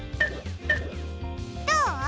どう？